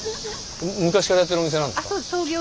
昔からやってるお店なんですか？